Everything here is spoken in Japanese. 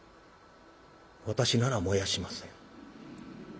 私なら燃やしません。